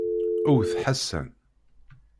Wwet Ḥasan.